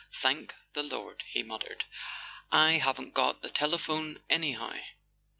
"Thank the Lord," he muttered, "I haven't got the telephone anyhow!"